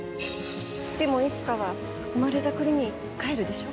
でもいつかは生まれた国に帰るでしょ？